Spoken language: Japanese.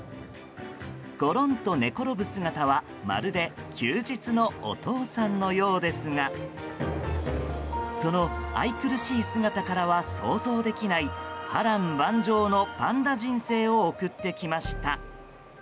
ゴロンと寝転ぶ姿は、まるで休日のお父さんのようですがその愛くるしい姿からは想像できない波乱万丈のパンダ人生を送ってきました。